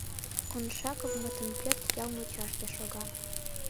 Коншаковмытын пӧртышт ял мучаште шога.